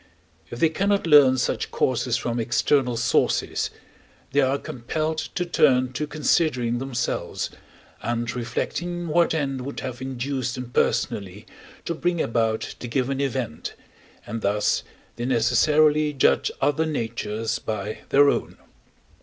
If they cannot learn such causes from external sources, they are compelled to turn to considering themselves, and reflecting what end would have induced them personally to bring about the given event, and thus they necessarily judge other natures by their own.